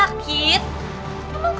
kau bisa kasih dia makanan yang enak